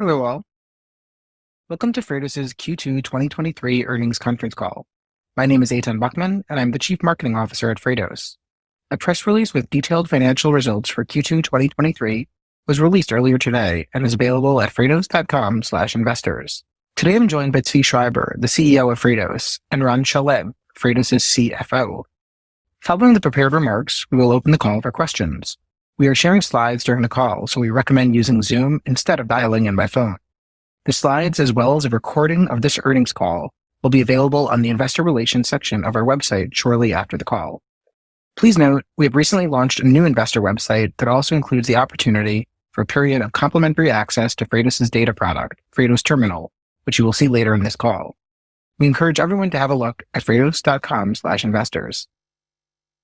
Hello, all. Welcome to Freightos' Q2 2023 earnings Conference Call. My name is Eytan Buchman, and I'm the Chief Marketing Officer at Freightos. A press release with detailed financial results for Q2 2023 was released earlier today and is available at freightos.com/investors. Today, I'm joined by Zvi Schreiber, the CEO of Freightos, and Ran Shalev, Freightos' CFO. Following the prepared remarks, we will open the call for questions. We are sharing slides during the call, so we recommend using Zoom instead of dialing in by phone. The slides, as well as a recording of this earnings call, will be available on the Investor Relations section of our website shortly after the call. Please note, we have recently launched a new investor website that also includes the opportunity for a period of complimentary access to Freightos' data product, Freightos Terminal, which you will see later in this call. We encourage everyone to have a look at freightos.com/investors.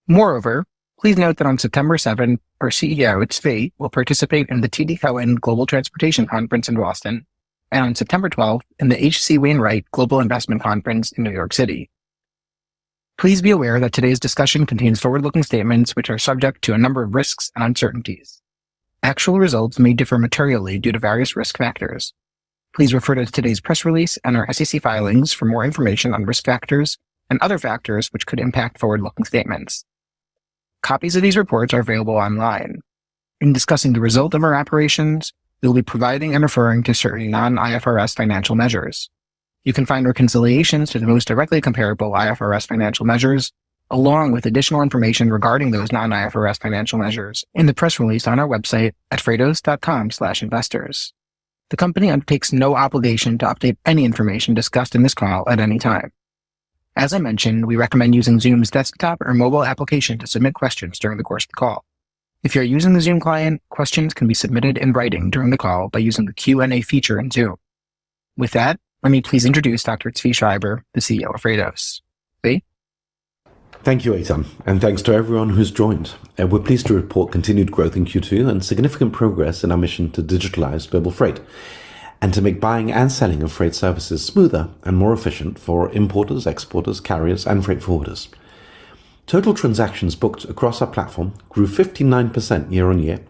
Moreover, please note that on September 7th, our CEO, Zvi, will participate in the TD Cowen Global Transportation Conference in Boston, and on September 12th, in the H.C. Wainwright Global Investment Conference in New York City. Please be aware that today's discussion contains forward-looking statements which are subject to a number of risks and uncertainties. Actual results may differ materially due to various risk factors. Please refer to today's press release and our SEC filings for more information on risk factors and other factors which could impact forward-looking statements. Copies of these reports are available online. In discussing the result of our operations, we'll be providing and referring to certain non-IFRS financial measures. You can find reconciliations to the most directly comparable IFRS financial measures, along with additional information regarding those non-IFRS financial measures in the press release on our website at freightos.com/investors. The company undertakes no obligation to update any information discussed in this call at any time. As I mentioned, we recommend using Zoom's desktop or mobile application to submit questions during the course of the call. If you're using the Zoom client, questions can be submitted in writing during the call by using the Q&A feature in Zoom. With that, let me please introduce Dr. Zvi Schreiber, the CEO of Freightos. Zvi? Thank you, Eytan, and thanks to everyone who's joined. We're pleased to report continued growth in Q2 and significant progress in our mission to digitalize global freight, and to make buying and selling of freight services smoother and more efficient for importers, exporters, carriers, and freight forwarders. Total transactions booked across our platform grew 59% year-over-year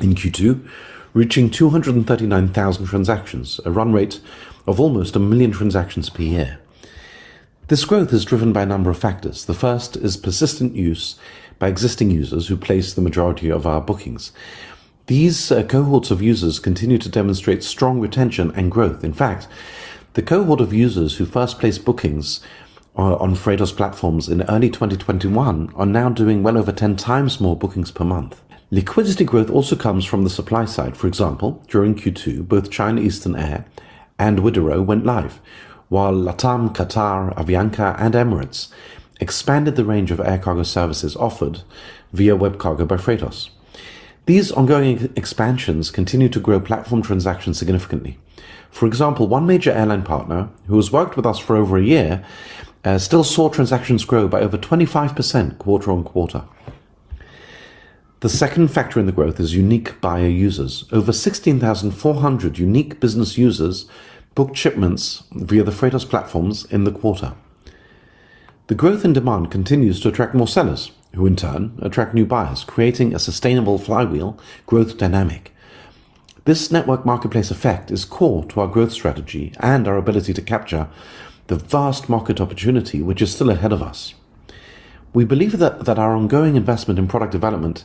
in Q2, reaching 239,000 transactions, a run rate of almost 1 million transactions per year. This growth is driven by a number of factors. The first is persistent use by existing users who place the majority of our bookings. These cohorts of users continue to demonstrate strong retention and growth. In fact, the cohort of users who first placed bookings on Freightos platforms in early 2021 are now doing well over 10 times more bookings per month. Liquidity growth also comes from the supply side. For example, during Q2, both China Eastern Air and Widerøe went live, while LATAM, Qatar, Avianca, and Emirates expanded the range of air cargo services offered via WebCargo by Freightos. These ongoing expansions continue to grow platform transactions significantly. For example, one major airline partner, who has worked with us for over a year, still saw transactions grow by over 25% quarter-on-quarter. The second factor in the growth is unique buyer users. Over 16,400 unique business users booked shipments via the Freightos platforms in the quarter. The growth in demand continues to attract more sellers, who in turn attract new buyers, creating a sustainable flywheel growth dynamic. This network marketplace effect is core to our growth strategy and our ability to capture the vast market opportunity, which is still ahead of us. We believe that, that our ongoing investment in product development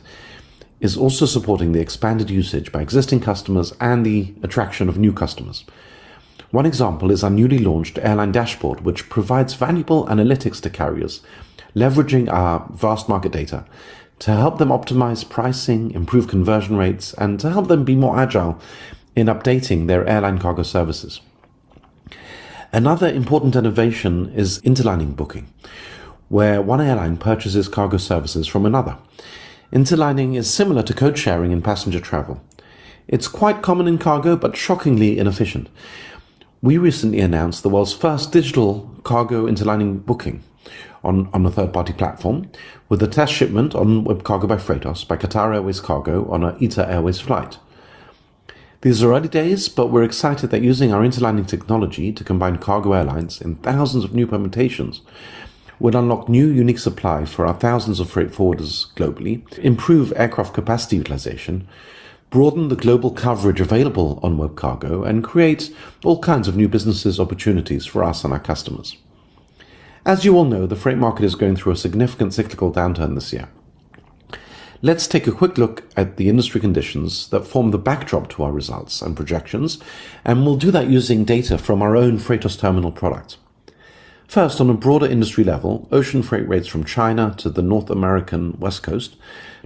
is also supporting the expanded usage by existing customers and the attraction of new customers. One example is our newly launched airline dashboard, which provides valuable analytics to carriers, leveraging our vast market data to help them optimize pricing, improve conversion rates, and to help them be more agile in updating their airline cargo services. Another important innovation is interlining booking, where one airline purchases cargo services from another. Interlining is similar to code sharing in passenger travel. It's quite common in cargo, but shockingly inefficient. We recently announced the world's first digital cargo interlining booking on, on a third-party platform with a test shipment on WebCargo by Freightos, by Qatar Airways Cargo on an ITA Airways flight. These are early days, but we're excited that using our interlining technology to combine cargo airlines in thousands of new permutations will unlock new unique supply for our thousands of freight forwarders globally, improve aircraft capacity utilization, broaden the global coverage available on WebCargo, and create all kinds of new businesses opportunities for us and our customers. As you all know, the freight market is going through a significant cyclical downturn this year. Let's take a quick look at the industry conditions that form the backdrop to our results and projections, and we'll do that using data from our own Freightos Terminal product. First, on a broader industry level, ocean freight rates from China to the North American West Coast,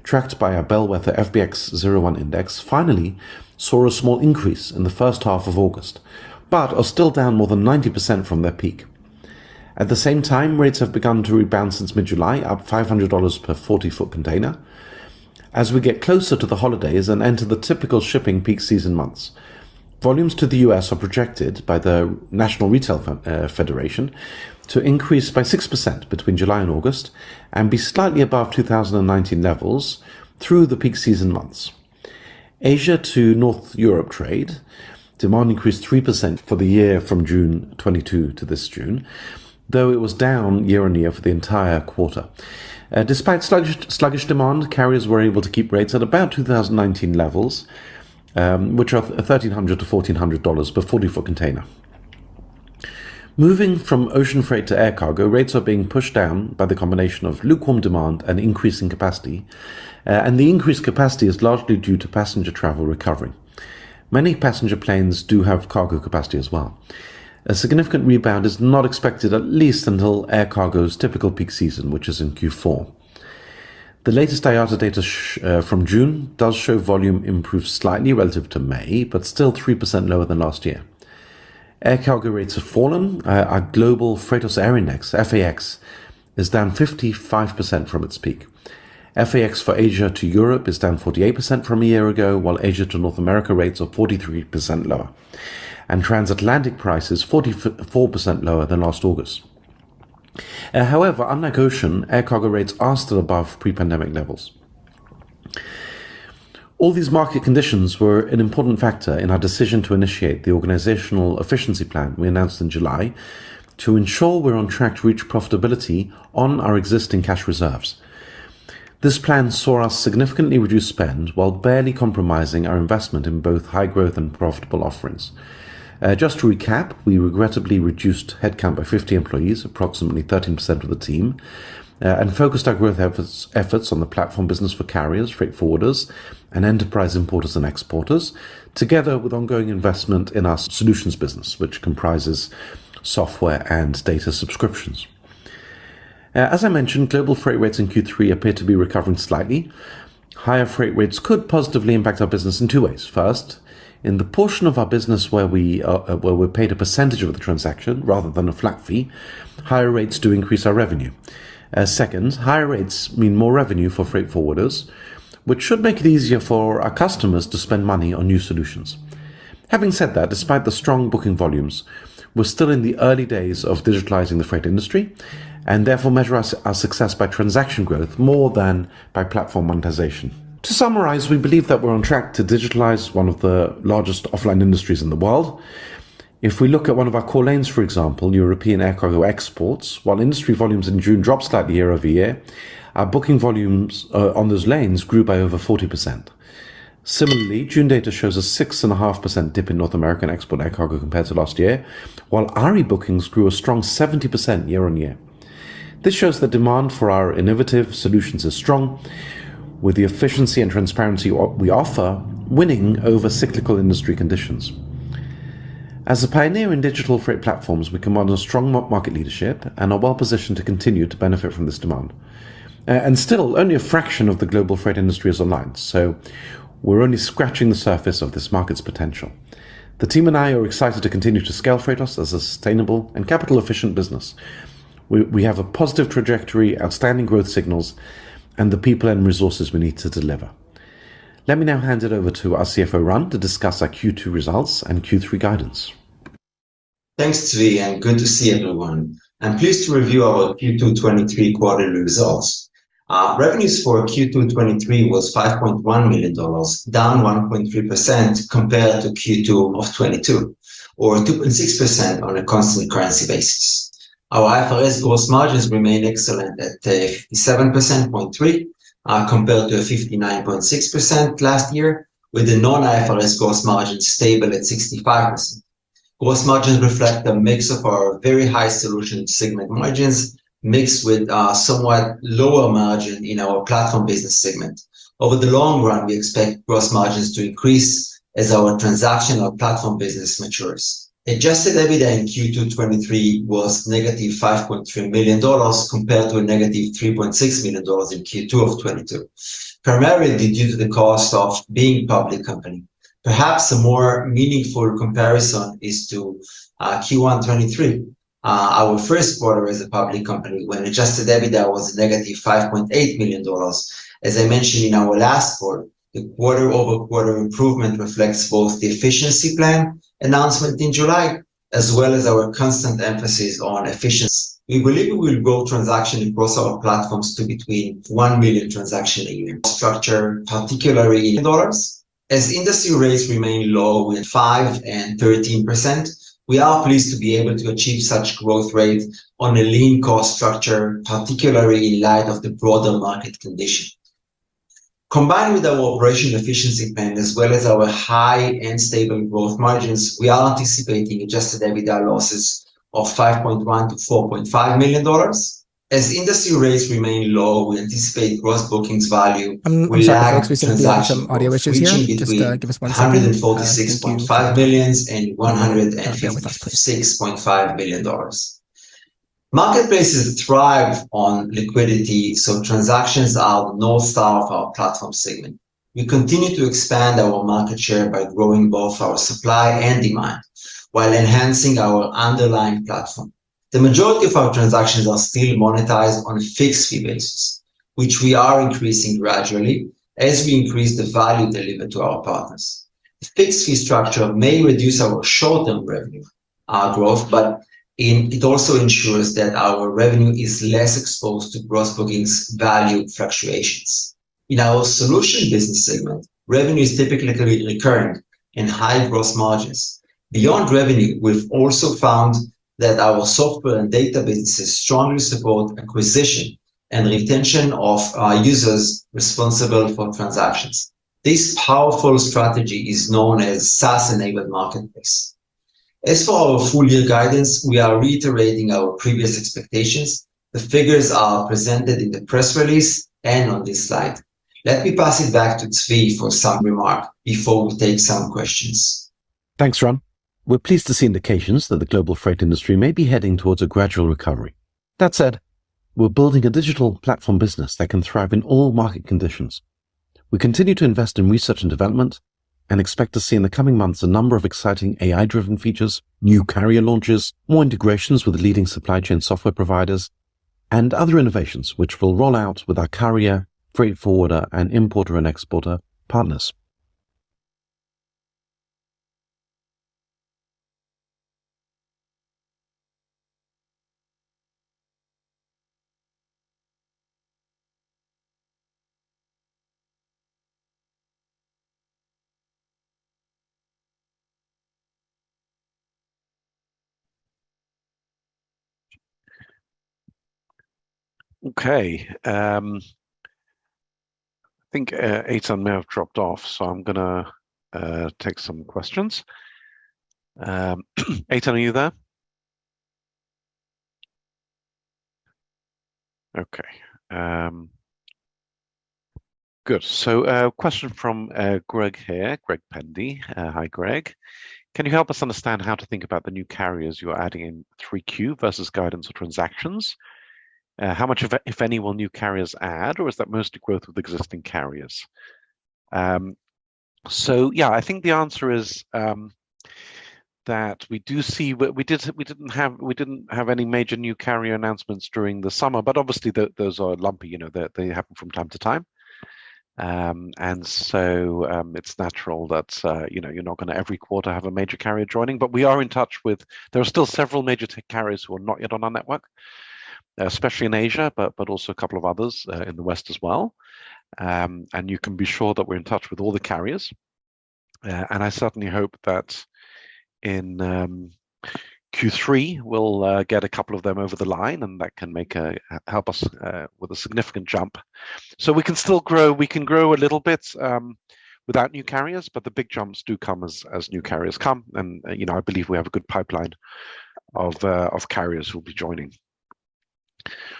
tracked by our bellwether FBX01 index, finally saw a small increase in the first half of August, but are still down more than 90% from their peak. At the same time, rates have begun to rebound since mid-July, up $500 per 40-foot container. As we get closer to the holidays and enter the typical shipping peak season months, volumes to the US are projected by the National Retail Federation, to increase by 6% between July and August and be slightly above 2019 levels through the peak season months. Asia to North Europe trade, demand increased 3% for the year from June 2022 to this June, though it was down year-on-year for the entire quarter. Despite sluggish, sluggish demand, carriers were able to keep rates at about 2019 levels, which are $1,300-$1,400 per 40-foot container. Moving from ocean freight to air cargo, rates are being pushed down by the combination of lukewarm demand and increasing capacity. The increased capacity is largely due to passenger travel recovery. Many passenger planes do have cargo capacity as well. A significant rebound is not expected, at least until air cargo's typical peak season, which is in Q4. The latest IATA data from June does show volume improved slightly relative to May, but still 3% lower than last year. Air cargo rates have fallen. Our global Freightos Air Index, FAX, is down 55% from its peak. FAX for Asia to Europe is down 48% from a year ago, while Asia to North America rates are 43% lower, and transatlantic price is 44% lower than last August. Unlike ocean, air cargo rates are still above pre-pandemic levels. All these market conditions were an important factor in our decision to initiate the organizational efficiency plan we announced in July to ensure we're on track to reach profitability on our existing cash reserves. This plan saw us significantly reduce spend while barely compromising our investment in both high growth and profitable offerings. Just to recap, we regrettably reduced headcount by 50 employees, approximately 13% of the team, and focused our growth efforts on the platform business for carriers, freight forwarders, and enterprise importers and exporters, together with ongoing investment in our solutions business, which comprises software and data subscriptions. As I mentioned, global freight rates in Q3 appear to be recovering slightly. Higher freight rates could positively impact our business in 2 ways. First, in the portion of our business where we, where we're paid a percentage of the transaction rather than a flat fee, higher rates do increase our revenue. Second, higher rates mean more revenue for freight forwarders, which should make it easier for our customers to spend money on new solutions. Having said that, despite the strong booking volumes, we're still in the early days of digitalizing the freight industry and therefore measure our, our success by transaction growth more than by platform monetization. To summarize, we believe that we're on track to digitalize one of the largest offline industries in the world. If we look at one of our core lanes, for example, European air cargo exports, while industry volumes in June dropped slightly year-over-year, our booking volumes on those lanes grew by over 40%. Similarly, June data shows a 6.5% dip in North American export air cargo compared to last year, while our e-bookings grew a strong 70% year-over-year. This shows the demand for our innovative solutions is strong, with the efficiency and transparency we offer winning over cyclical industry conditions. As a pioneer in digital freight platforms, we command a strong market leadership and are well positioned to continue to benefit from this demand. Still, only a fraction of the global freight industry is online, so we're only scratching the surface of this market's potential. The team and I are excited to continue to scale Freightos as a sustainable and capital-efficient business. We, we have a positive trajectory, outstanding growth signals, and the people and resources we need to deliver. Let me now hand it over to our CFO, Ran, to discuss our Q2 results and Q3 guidance. Thanks, Zvi, good to see everyone. I'm pleased to review our Q2 2023 quarterly results. Our revenues for Q2 2023 was $5.1 million, down 1.3% compared to Q2 2022, or 2.6% on a constant currency basis. Our IFRS gross margins remained excellent at 57.3% compared to 59.6% last year, with the non-IFRS gross margin stable at 65%. Gross margins reflect the mix of our very high solution segment margins, mixed with a somewhat lower margin in our platform business segment. Over the long run, we expect gross margins to increase as our transactional platform business matures. Adjusted EBITDA in Q2 2023 was -$5.3 million, compared to -$3.6 million in Q2 2022, primarily due to the cost of being a public company. Perhaps a more meaningful comparison is to Q1 2023, our first quarter as a public company, when Adjusted EBITDA was -$5.8 million. As I mentioned in our last quarter, the quarter-over-quarter improvement reflects both the efficiency plan announcement in July, as well as our constant emphasis on efficiency. We believe we will grow transaction gross our platforms to between 1 million transactions a year structure, particularly in dollars. As industry rates remain low with 5% and 13%, we are pleased to be able to achieve such growth rate on a lean cost structure, particularly in light of the broader market condition. Combined with our operational efficiency plan, as well as our high and stable growth margins, we are anticipating Adjusted EBITDA losses of $5.1 million-$4.5 million. As industry rates remain low, we anticipate Gross Bookings Value- I'm sorry, folks, we seem to be having some audio issues here. Just, give us one second, and one second. Bear with us, please... $6.5 billion. Marketplaces thrive on liquidity, transactions are the north star of our platform segment. We continue to expand our market share by growing both our supply and demand while enhancing our underlying platform. The majority of our transactions are still monetized on a fixed fee basis, which we are increasing gradually as we increase the value delivered to our partners. The fixed fee structure may reduce our short-term revenue growth, but it also ensures that our revenue is less exposed to Gross Bookings Value fluctuations. In our solution business segment, revenue is typically recurring and high gross margins. Beyond revenue, we've also found that our software and databases strongly support acquisition and retention of our users responsible for transactions. This powerful strategy is known as SaaS-enabled marketplace. As for our full year guidance, we are reiterating our previous expectations. The figures are presented in the press release and on this slide. Let me pass it back to Zvi for some remark before we take some questions. Thanks, Ran. We're pleased to see indications that the global freight industry may be heading towards a gradual recovery. That said, we're building a digital platform business that can thrive in all market conditions. We continue to invest in research and development and expect to see in the coming months a number of exciting AI-driven features, new carrier launches, more integrations with leading supply chain software providers, and other innovations which will roll out with our carrier, freight forwarder, and importer and exporter partners. Okay, I think, Eytan may have dropped off, so I'm gonna take some questions. Eytan, are you there? Okay, good. A question from Greg here. Greg Pendy. Hi, Greg. Can you help us understand how to think about the new carriers you are adding in 3Q versus guidance or transactions? How much of it, if any, will new carriers add, or is that mostly growth with existing carriers? Yeah, I think the answer is that we didn't have any major new carrier announcements during the summer, but obviously, those are lumpy. You know, they happen from time to time. It's natural that, you know, you're not gonna, every quarter, have a major carrier joining, but we are in touch with. There are still several major tech carriers who are not yet on our network, especially in Asia, but also a couple of others in the West as well. You can be sure that we're in touch with all the carriers. I certainly hope that in Q3, we'll get two of them over the line, and that can make a help us with a significant jump. We can still grow. We can grow a little bit without new carriers, but the big jumps do come as, as new carriers come, and, you know, I believe we have a good pipeline of carriers who'll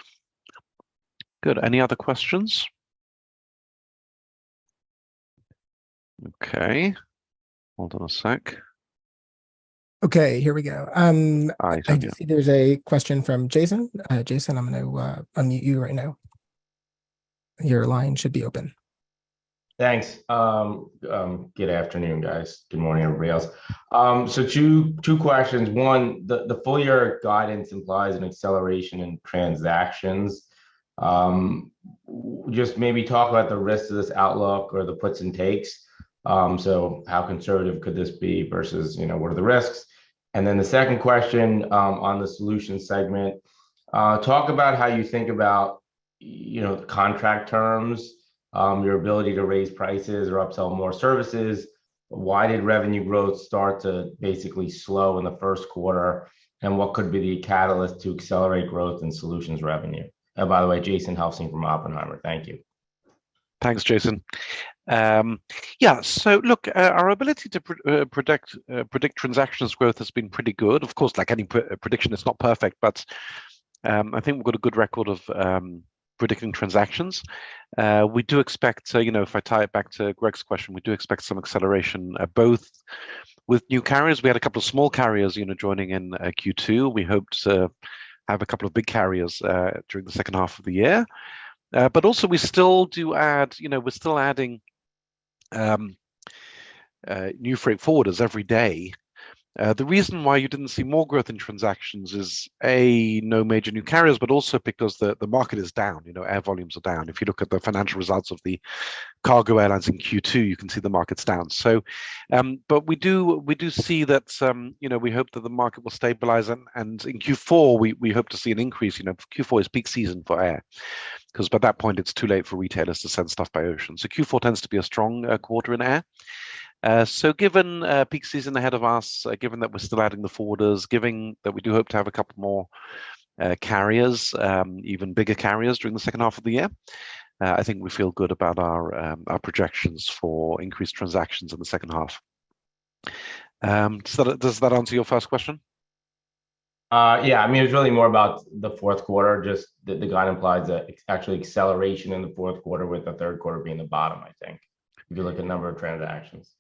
be joining. Good. Any other questions? Okay, hold on 1 sec. Okay, here we go. Hi, Jason. I can see there's a question from Jason. Jason, I'm gonna unmute you right now. Your line should be open. Thanks. Good afternoon, guys. Good morning, everybody else. Two questions. One, the full year guidance implies an acceleration in transactions. Just maybe talk about the rest of this outlook or the puts and takes. How conservative could this be versus, you know, what are the risks? Then the second question, on the solution segment, talk about how you think about, you know, contract terms, your ability to raise prices or upsell more services. Why did revenue growth start to basically slow in the first quarter, and what could be the catalyst to accelerate growth in solutions revenue? By the way, Jason Helfstein from Oppenheimer. Thank you. Thanks, Jason. Yeah, look, our ability to predict transactions growth has been pretty good. Of course, like any prediction, it's not perfect, but I think we've got a good record of predicting transactions. We do expect, you know, if I tie it back to Greg's question, we do expect some acceleration both with new carriers. We had a couple of small carriers, you know, joining in Q2. We hope to have a couple of big carriers during the second half of the year. Also we still do add, you know, we're still adding new freight forwarders every day. The reason why you didn't see more growth in transactions is, A, no major new carriers, but also because the market is down. You know, air volumes are down. If you look at the financial results of the cargo airlines in Q2, you can see the market's down. But we do, we do see that, you know, we hope that the market will stabilize, and in Q4, we hope to see an increase. You know, Q4 is peak season for air, 'cause by that point, it's too late for retailers to send stuff by ocean. Q4 tends to be a strong quarter in air. Given a peak season ahead of us, given that we're still adding the forwarders, given that we do hope to have a couple more carriers, even bigger carriers during the second half of the year, I think we feel good about our projections for increased transactions in the second half. Does that answer your first question? Yeah, I mean, it's really more about the fourth quarter, just that the guide implies that it's actually acceleration in the fourth quarter, with the third quarter being the bottom, I think, if you look at the number of transactions.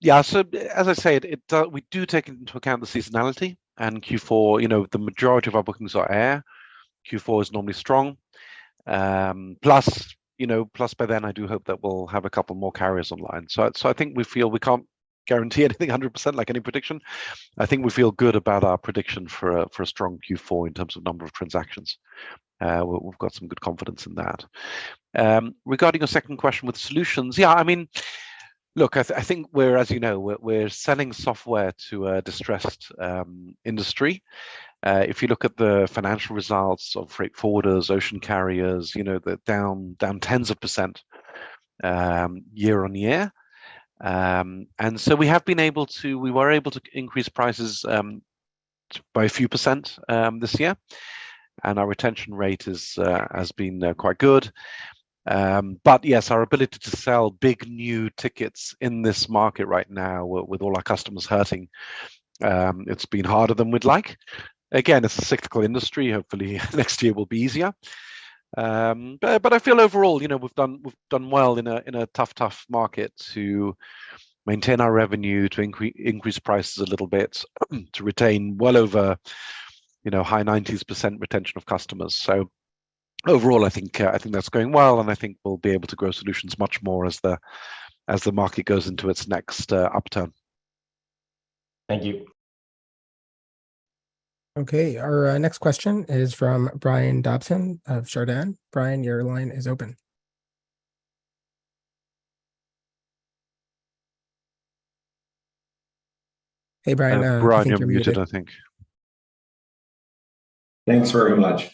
Yeah. As I said, it, we do take into account the seasonality, and Q4, you know, the majority of our bookings are air. Q4 is normally strong. Plus, you know, plus by then, I do hope that we'll have a couple more carriers online. I think we feel we can't guarantee anything 100%, like any prediction. I think we feel good about our prediction for a, for a strong Q4 in terms of number of transactions. We- we've got some good confidence in that. Regarding your second question with solutions, yeah, I mean, look, I, I think we're, as you know, we're, we're selling software to a distressed industry. If you look at the financial results of freight forwarders, ocean carriers, you know, they're down, down tens of % year-over-year. We were able to increase prices by a few % this year, and our retention rate has been quite good. Yes, our ability to sell big, new tickets in this market right now with all our customers hurting, it's been harder than we'd like. Again, it's a cyclical industry. Hopefully, next year will be easier. I feel overall, you know, we've done, we've done well in a tough, tough market to maintain our revenue, to increase prices a little bit, to retain well over, you know, high 90s % retention of customers. Overall, I think I think that's going well, and I think we'll be able to grow solutions much more as the market goes into its next upturn. Thank you. Okay. Our next question is from Brian Dobson of Chardan. Brian, your line is open. Hey, Brian, I think you're muted. Brian, you're muted, I think. Thanks very much.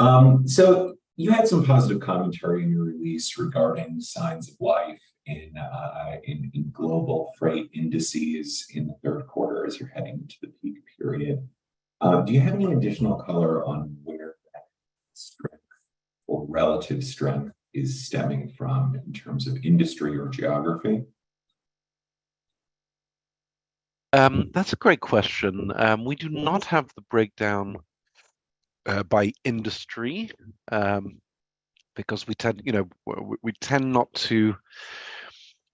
You had some positive commentary in your release regarding signs of life in global freight indices in the third quarter as you're heading to the peak period. Do you have any additional color on where that strength or relative strength is stemming from in terms of industry or geography? That's a great question. We do not have the breakdown by industry because we tend, you know, we tend not to.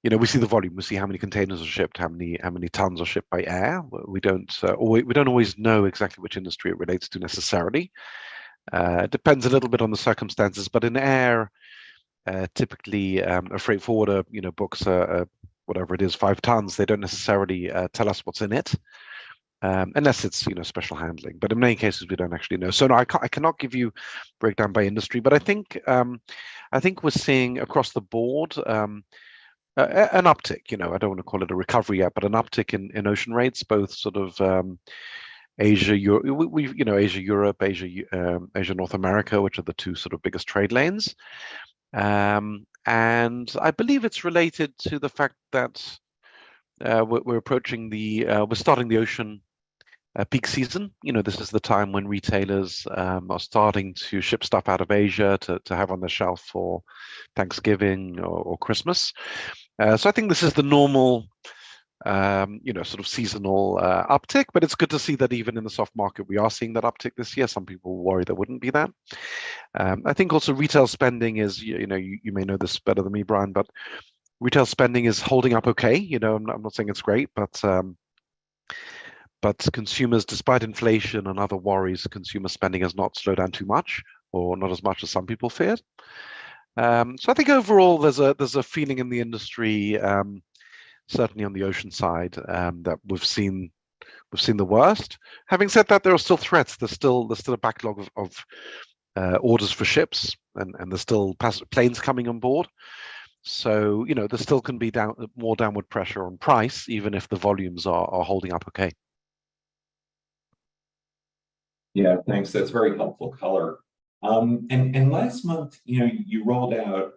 You know, we see the volume. We see how many containers are shipped, how many, how many tons are shipped by air. We don't, or we don't always know exactly which industry it relates to necessarily. It depends a little bit on the circumstances, but in air, typically, a freight forwarder, you know, books a, whatever it is, five tons. They don't necessarily tell us what's in it, unless it's, you know, special handling. In many cases we don't actually know. No, I can't, I cannot give you breakdown by industry. I think, I think we're seeing across the board, an uptick. You know, I don't want to call it a recovery yet, but an uptick in, in ocean rates, both sort of, Asia, Europe, Asia, North America, which are the two sort of biggest trade lanes. I believe it's related to the fact that we're starting the ocean peak season. You know, this is the time when retailers are starting to ship stuff out of Asia to, to have on the shelf for Thanksgiving or, or Christmas. I think this is the normal, you know, sort of seasonal uptick, but it's good to see that even in the soft market, we are seeing that uptick this year. Some people worry there wouldn't be that. I think also retail spending is, you know, you may know this better than me, Brian, but retail spending is holding up okay. You know, I'm, I'm not saying it's great, but consumers, despite inflation and other worries, consumer spending has not slowed down too much or not as much as some people feared. I think overall there's a, there's a feeling in the industry, certainly on the ocean side, that we've seen, we've seen the worst. Having said that, there are still threats. There's still, there's still a backlog of, of orders for ships, and, and there's still pass- planes coming on board. You know, there still can be down- more downward pressure on price, even if the volumes are, are holding up okay. Yeah. Thanks. That's very helpful color. Last month, you know, you rolled out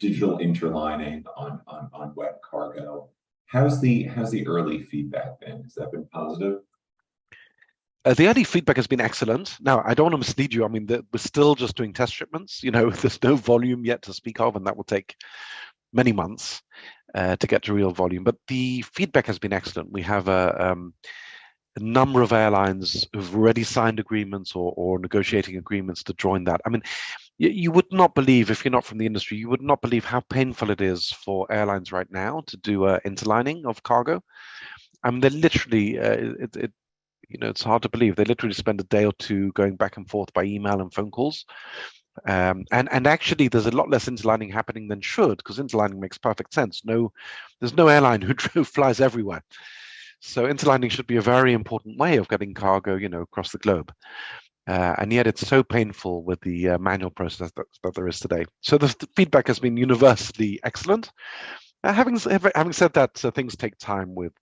digital interlining on, on, on WebCargo. How's the, how's the early feedback been? Has that been positive? The early feedback has been excellent. Now, I don't want to mislead you. I mean, we're still just doing test shipments, you know? There's no volume yet to speak of, and that will take many months to get to real volume. The feedback has been excellent. We have a number of airlines who've already signed agreements or, or negotiating agreements to join that. I mean, you would not believe, if you're not from the industry, you would not believe how painful it is for airlines right now to do a interlining of cargo. They're literally, you know, it's hard to believe. They literally spend a day or two going back and forth by email and phone calls. Actually, there's a lot less interlining happening than should, 'cause interlining makes perfect sense. There's no airline who flies everywhere. Interlining should be a very important way of getting cargo, you know, across the globe. Yet it's so painful with the manual process that there is today. The feedback has been universally excellent. Now, having said that, things take time with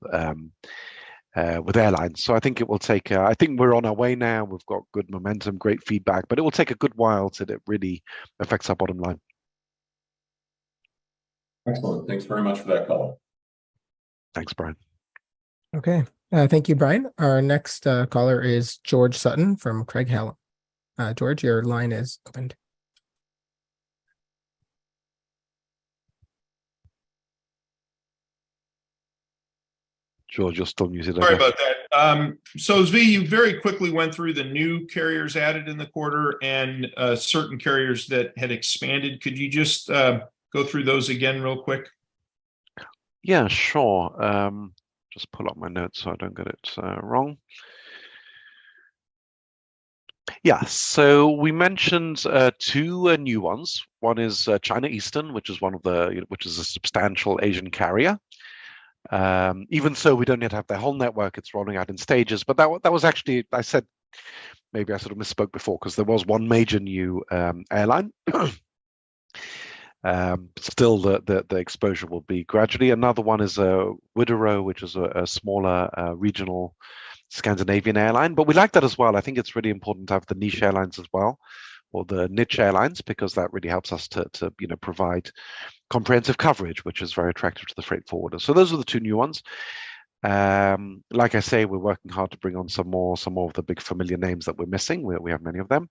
airlines. I think it will take. I think we're on our way now. We've got good momentum, great feedback, it will take a good while till it really affects our bottom line. Excellent. Thanks very much for that call. Thanks, Brian. Okay. Thank you, Brian. Our next caller is George Sutton from Craig-Hallum. George, your line is opened. George, you're still muted, I think. Sorry about that. Zvi, you very quickly went through the new carriers added in the quarter and certain carriers that had expanded. Could you just go through those again real quick? Yeah, sure. Just pull up my notes so I don't get it wrong. Yeah. We mentioned two new ones. One is China Eastern, which is one of the, you know, which is a substantial Asian carrier. Even so, we don't yet have their whole network. It's rolling out in stages. That was actually, I said... Maybe I sort of misspoke before, 'cause there was one major new airline. Still, the, the, the exposure will be gradually. Another one is Widerøe, which is a, a smaller, regional Scandinavian airline, we like that as well. I think it's really important to have the niche airlines as well, or the niche airlines, because that really helps us to, to, you know, provide comprehensive coverage, which is very attractive to the freight forwarder. Those are the two new ones. Like I say, we're working hard to bring on some more, some more of the big familiar names that we're missing. We, we have many of them.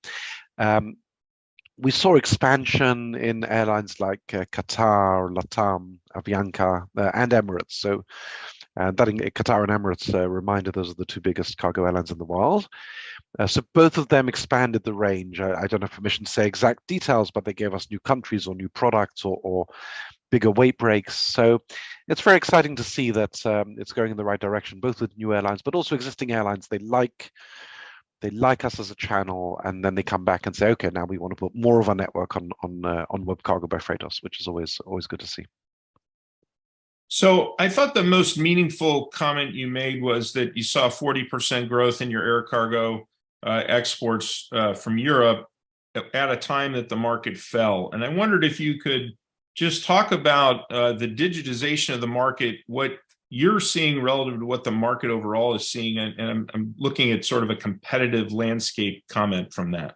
We saw expansion in airlines like Qatar, LATAM, Avianca, and Emirates. Qatar and Emirates, a reminder, those are the two biggest cargo airlines in the world. Both of them expanded the range. I, I don't have permission to say exact details, but they gave us new countries or new products or, or bigger weight breaks. It's very exciting to see that it's going in the right direction, both with new airlines, but also existing airlines. They like, they like us as a channel, and then they come back and say, "Okay, now we want to put more of our network on, on WebCargo by Freightos," which is always, always good to see. I thought the most meaningful comment you made was that you saw 40% growth in your air cargo exports from Europe at a time that the market fell. I wondered if you could just talk about the digitization of the market, what you're seeing relative to what the market overall is seeing, and I'm looking at sort of a competitive landscape comment from that.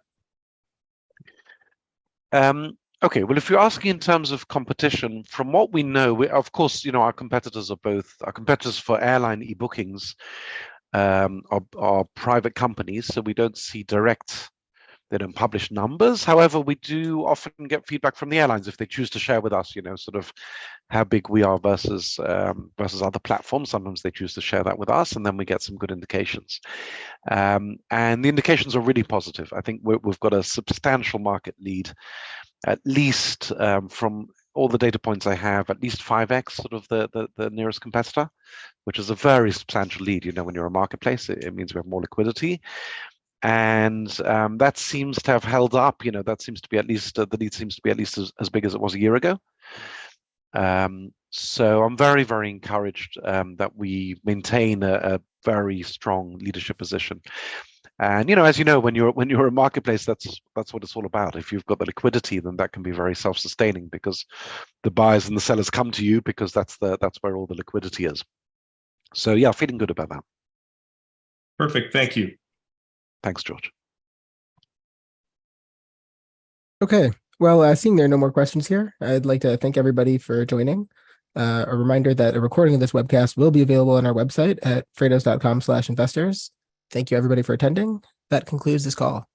Okay. Well, if you're asking in terms of competition, from what we know, of course, you know, our competitors are both... Our competitors for airline e-bookings are private companies, so we don't see. They don't publish numbers. However, we do often get feedback from the airlines if they choose to share with us, you know, sort of how big we are versus versus other platforms. Sometimes they choose to share that with us, and then we get some good indications. The indications are really positive. I think we've, we've got a substantial market lead, at least, from all the data points I have, at least 5x, sort of the, the, the nearest competitor, which is a very substantial lead. You know, when you're a marketplace, it, it means we have more liquidity, and that seems to have held up. You know, that seems to be at least, the lead seems to be at least as, as big as it was a year ago. I'm very, very encouraged that we maintain a very strong leadership position. You know, as you know, when you're, when you're a marketplace, that's, that's what it's all about. If you've got the liquidity, then that can be very self-sustaining because the buyers and the sellers come to you because that's the-- that's where all the liquidity is. Yeah, feeling good about that. Perfect. Thank you. Thanks, George. Okay. Well, seeing there are no more questions here, I'd like to thank everybody for joining. A reminder that a recording of this webcast will be available on our website at freightos.com/investors. Thank you, everybody, for attending. That concludes this call.